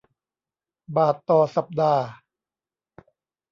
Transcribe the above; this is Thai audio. บาทต่อสัปดาห์